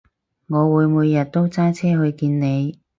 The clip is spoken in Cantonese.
我會每日都揸車去見你